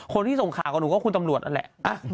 คนที่ส่งข่าวกับหนูก็คุณตำรวจนั่นแหละ